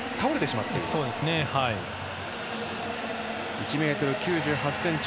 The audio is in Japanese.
１ｍ９８ｃｍ